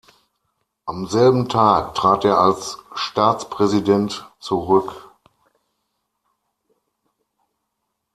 Am selben Tag trat er als Staatspräsident zurück.